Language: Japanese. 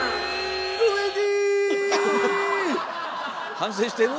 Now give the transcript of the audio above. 反省してる？